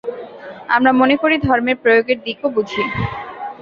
আমরা মনে করি, ধর্মের প্রয়োগের দিকও বুঝি।